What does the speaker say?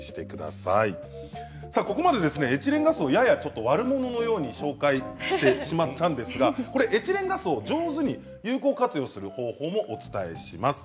さあここまでエチレンガスをややちょっと悪者のように紹介してしまったんですがこれエチレンガスを上手に有効活用する方法もお伝えします。